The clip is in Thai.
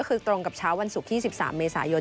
คือตรงกับเช้าวันศุกร์ที่๑๓เมษายน